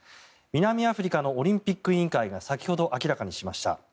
南アフリカのオリンピック委員会が先ほど明らかにしました。